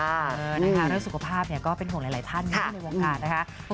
แล้วสุขภาพก็เป็นห่วงหลายท่านอยู่ในวงการนะคะ